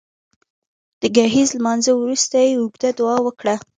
د ګهیځ لمانځه وروسته يې اوږده دعا وکړه